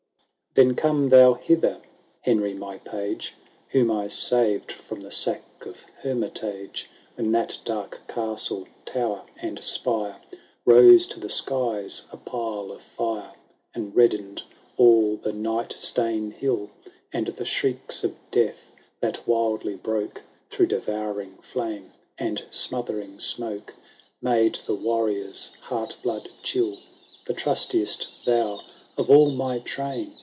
— VI. ^ Then come thou hither, Henry, my page, Whom I saved from the sack of Hermitage, When that dark castle, tower, and spire. Rose to the skies a pile of fire. And redden^ all the Nine stane Hill, And the shrieks of death, that wildly broke Through devouring flame and smothering smoke, Made the warrior's heart blood chill. The trustiest thou of all my train.